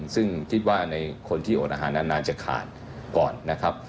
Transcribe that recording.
ซึ่งคิดว่าในคนที่โอนอาหารนานจะขาดก่อนนะครับ